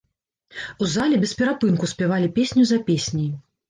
У зале без перапынку спявалі песню за песняй.